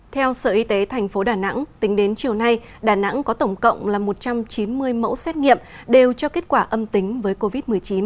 theo sở y tế thành phố đà nẵng tính đến chiều nay đà nẵng có tổng cộng là một trăm chín mươi mẫu xét nghiệm đều cho kết quả âm tính với covid một mươi chín